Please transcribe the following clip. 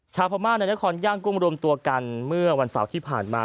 ชาวพม่าในนครย่างกุ้งรวมตัวกันเมื่อวันเสาร์ที่ผ่านมา